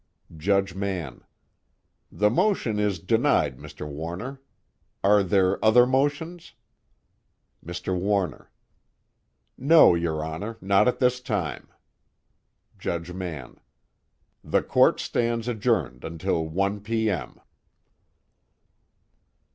JUDGE MANN: The motion is denied, Mr. Warner. Are there other motions? MR. WARNER: No, your Honor, not at this time. JUDGE MANN: The Court stands adjourned until 1 P.M.